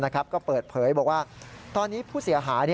ก็เปิดเผยบอกว่าตอนนี้ผู้เสียหาย